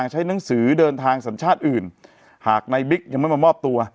ใช้หนังสือเดินทางสัญชาติอื่นหากนายบิ๊กยังไม่มามอบตัว